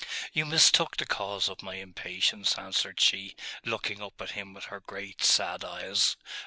'You mistook the cause of my impatience,' answered she, looking up at him with her great sad eyes.